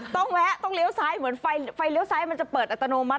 แวะต้องเลี้ยวซ้ายเหมือนไฟเลี้ยวซ้ายมันจะเปิดอัตโนมัติ